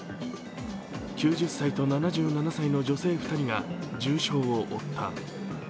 ９０歳と７７歳の女性２人が重傷を負った。